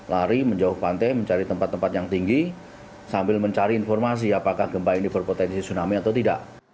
lari menjauh pantai mencari tempat tempat yang tinggi sambil mencari informasi apakah gempa ini berpotensi tsunami atau tidak